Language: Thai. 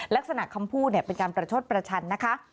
ลักษณะคำพูดเป็นการประชดประชันนะคะ